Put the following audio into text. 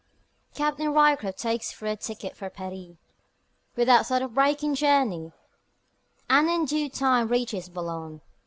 Captain Ryecroft takes a through ticket for Paris, without thought of breaking journey, and in due time reaches Boulogne.